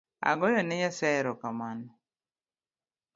Agoyone Nyasaye erokamano